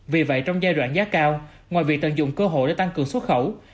vì vậy trong giai đoạn giá cao ngoài việc tận dụng cơ hội để tăng cường xuất khẩu